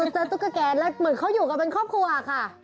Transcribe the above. ตุ๊กแกแล้วเหมือนเขาอยู่กันเป็นครอบครัวค่ะ